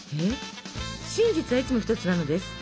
「真実はいつもひとつ」なのです。